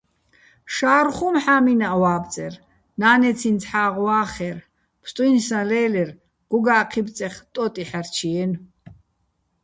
შა́რო̆ ხუმ ჰ̦ა́მინაჸ ვა́ბწერ, ნა́ნეციჼ ცჰ̦აღ ვა́ხერ, ფსტუჲნსაჼ ლე́ლერ, გოგა́ჴი́ბწეხ ტოტი ჰ̦არჩჲიენო̆.